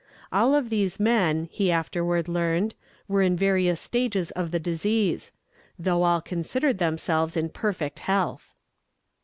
All of these men, he afterward learned, were in various stages of the disease though all considered themselves in perfect health.